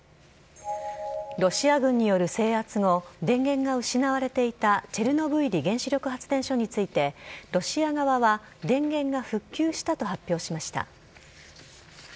ロシア軍による制圧後電源が失われていたチェルノブイリ原子力発電所についてロシア側は電源が復旧したと発表しました。